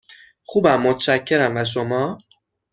خوبم، متشکرم، و شما؟